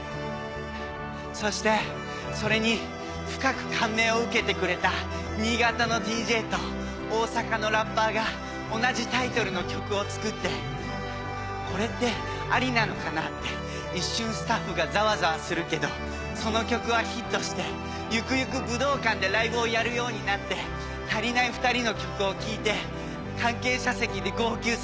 そしてそれに深く感銘を受けてくれた新潟のＤＪと大阪のラッパーが同じタイトルの曲を作って「これってありなのかな？」って一瞬スタッフがザワザワするけどその曲はヒットしてゆくゆく武道館でライブをやるようになって『たりないふたり』の曲を聴いて関係者席で号泣する。